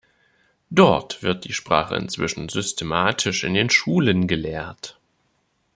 Dort wird die Sprache inzwischen systematisch in den Schulen gelehrt.